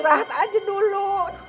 rahat aja dulu